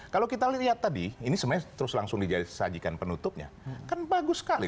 kalau kita lihat tadi ini sebenarnya terus langsung disajikan penutupnya kan bagus sekali